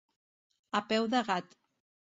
A peu de gat.